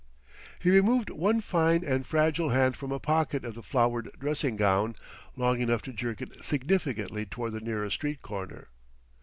He removed one fine and fragile hand from a pocket of the flowered dressing gown, long enough to jerk it significantly toward the nearer street corner.